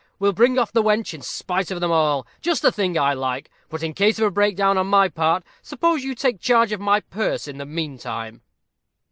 We'll bring off the wench, in spite of them all just the thing I like. But in case of a break down on my part, suppose you take charge of my purse in the mean time."